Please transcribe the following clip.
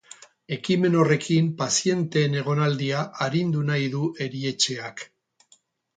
Ekimen horrekin pazienteen egonaldia arindu nahi du erietxeak.